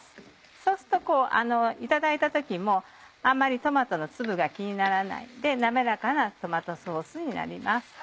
そうするといただいた時もあんまりトマトの粒が気にならないので滑らかなトマトソースになります。